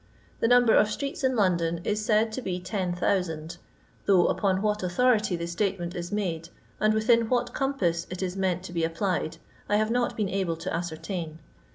The number of streets in London is said to be 10,000, thongh upon vrhat authority the statement is made, and within what compass it is meant to bo applied, I have not been able to ascertain.